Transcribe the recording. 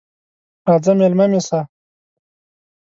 راځه مېلمه مې سه!